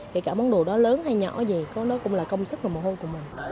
kể cả món đồ đó lớn hay nhỏ gì đó cũng là công sức và mồ hôi của mình